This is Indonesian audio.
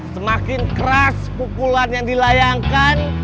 semakin keras pukulan yang dilayangkan